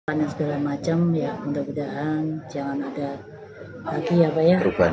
panas segala macem ya mudah mudahan jangan ada lagi apa ya ruban